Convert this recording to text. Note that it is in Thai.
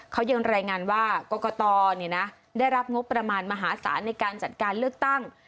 เขายังรายงานว่ากรกตได้รับงบประมาณมหาศาลในการจัดการเลือกตั้ง